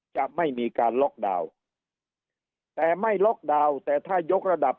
จะไม่มีการล็อกดาวน์แต่ไม่ล็อกดาวน์แต่ถ้ายกระดับ